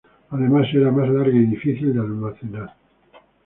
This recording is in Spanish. Además era más larga y difícil de almacenar.